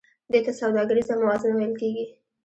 دې ته سوداګریزه موازنه ویل کېږي